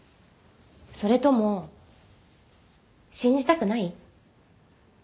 それとも信じたくない？